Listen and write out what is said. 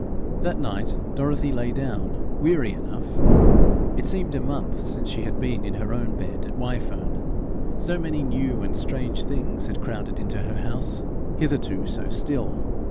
That night Dorothy lay down weary enough. It seemed a month since she had been in her own bed at Wyfern, so many new and strange things had crowded into her house, hitherto so still.